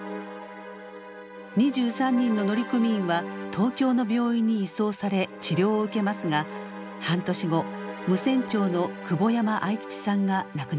２３人の乗組員は東京の病院に移送され治療を受けますが半年後無線長の久保山愛吉さんが亡くなります。